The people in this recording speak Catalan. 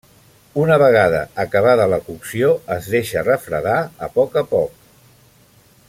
Una vegada acabada la cocció, es deixa refredar a poc a poc.